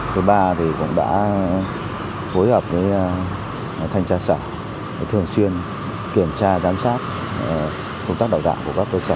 thứ ba cũng đã phối hợp với thanh tra sở thường xuyên kiểm tra giám sát công tác đào tạo của các cơ sở